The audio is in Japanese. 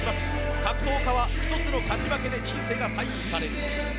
格闘家は１つの勝ち負けだけで人生が左右される。